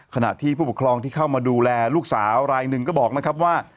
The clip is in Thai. ขณะที่ผู้ปกครองที่เข้ามาดูแลลูกสาวรายหนึ่งก็บอกนะครับว่า